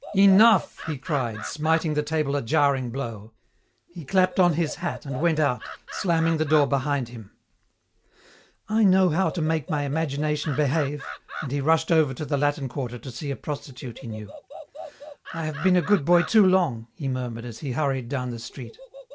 "Enough!" he cried, smiting the table a jarring blow. He clapped on his hat and went out, slamming the door behind him. "I know how to make my imagination behave!" and he rushed over to the Latin Quarter to see a prostitute he knew. "I have been a good boy too long," he murmured as he hurried down the street.